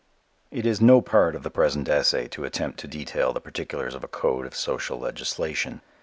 It is no part of the present essay to attempt to detail the particulars of a code of social legislation.